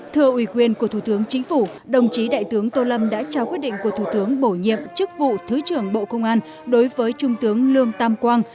thưa ủy quyền của thủ tướng chính phủ đồng chí đại tướng tô lâm đã trao quyết định của thủ tướng bổ nhiệm chức vụ thứ trưởng bộ công an đối với trung tướng lương tam quang